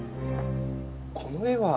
この絵は？